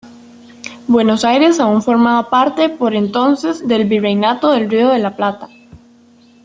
Buenos Aires aún formaba parte por entonces del Virreinato del Río de la Plata.